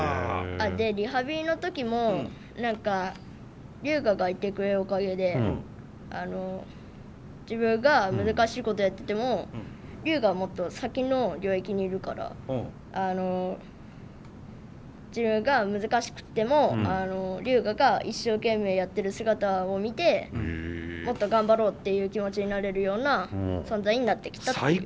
でリハビリの時もリュウガがいてくれるおかげで自分が難しいことやっててもリュウガはもっと先の領域にいるから自分が難しくてもリュウガが一生懸命やってる姿を見てもっと頑張ろうっていう気持ちになれるような存在になってきたっていう。